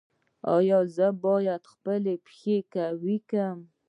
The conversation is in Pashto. ایا زه باید خپل پښې قوي کړم؟